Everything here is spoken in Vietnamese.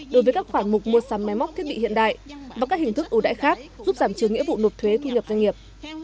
đối với các khoản mục mua sắm máy móc thiết bị hiện đại và các hình thức ưu đãi khác giúp giảm trừ nghĩa vụ nộp thuế thu nhập doanh nghiệp